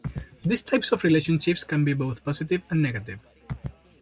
These types of relationships can be both positive and negative.